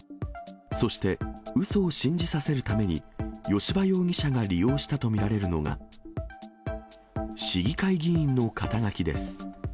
そしてうそを信じさせるために、吉羽容疑者が利用したと見られるのが、市議会議員の肩書です。